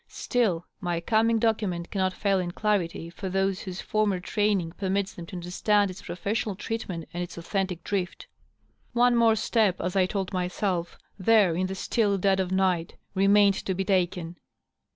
Still, my coming document cannot fail in clarity for those whose former training permits them to understand its professional treatment and its authentic One more step, as I told myself there in the still dead of night, remained to be taken.